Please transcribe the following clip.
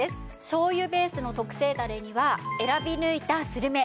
しょう油ベースの特製だれには選び抜いたスルメ